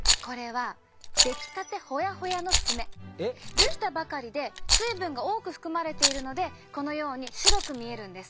できたばかりで水分が多く含まれているのでこのように白く見えるんです。